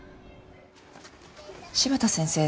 柴田先生